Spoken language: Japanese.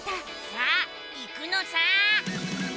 さあ行くのさ！